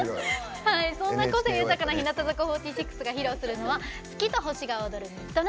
そんな個性豊かな日向坂４６が披露するのは「月と星が踊るＭｉｄｎｉｇｈｔ」